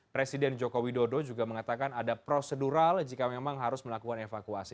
presiden joko widodo juga mengatakan ada prosedural jika memang harus melakukan evakuasi